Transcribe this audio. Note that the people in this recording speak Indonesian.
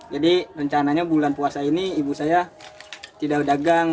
jadi rencananya bulan puasa ini ibu saya tidak dagang